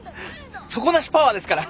底無しパワーですから。